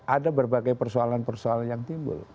ada berbagai persoalan persoalan yang timbul